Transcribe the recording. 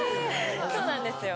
そうなんですよ